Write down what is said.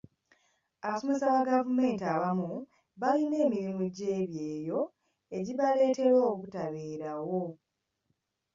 Abasomesa ba gavumenti abamu balina emirimu gy'ebyeyo ekibaleetera obutabeerawo.